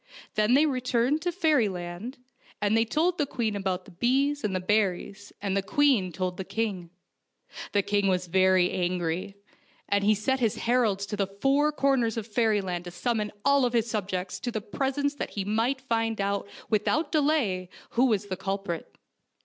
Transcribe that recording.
Then they returned to fairyland, and they told the queen about the bees and the berries, and the queen told the king. The king was very angry, and he sent his 104 FAIRY TALES heralds to the four corners of fairyland to sum mon all his subjects to his presence that he might find out without delay who was the culprit.